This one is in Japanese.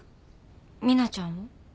ミナちゃんを？